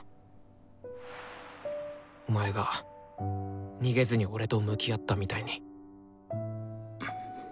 お前が逃げずに俺と向き合ったみたいに。